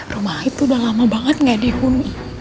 rumah itu udah lama banget gak dihuni